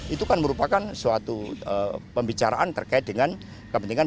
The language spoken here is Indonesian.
itu kan merupakan suatu pembicaraan terkait dengan kepentingan